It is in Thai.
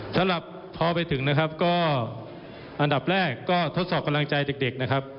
สำหรับพอไปถึงนะครับก็อันดับแรกก็ทดสอบกำลังใจเด็กนะครับ